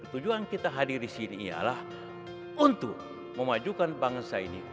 tujuan kita hadir di sini ialah untuk memajukan bangsa ini